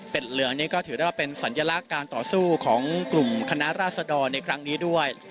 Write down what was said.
เป็นเหลืองนี่ก็ถือได้ว่าเป็นสัญลักษณ์การต่อสู้ของกลุ่มคณะราษฎรในครั้งนี้ด้วย